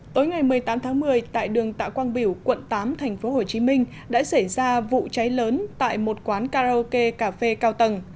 tối ngày một mươi tám tháng một mươi tại đường tạ quang biểu quận tám tp hcm đã xảy ra vụ cháy lớn tại một quán karaoke cà phê cao tầng